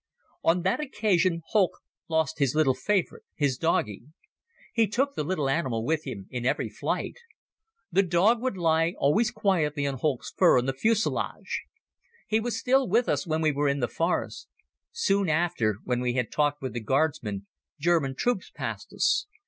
On that occasion Holck lost his little favorite, his doggie. He took the little animal with him in every flight. The dog would lie always quietly on Holck's fur in the fusilage. He was still with us when we were in the forest. Soon after, when we had talked with the Guardsman, German troops passed us.